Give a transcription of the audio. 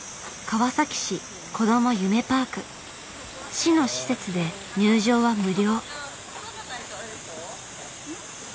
市の施設で入場は無料。